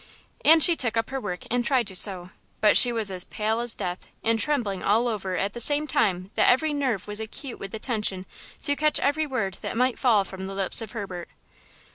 And she took up her work and tried to sew, but she was as pale as death and trembling all over at the same time that every nerve was acute with attention to catch every word that might fall from the lips of Herbert.